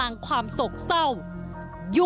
อัศวินธรรมชาติ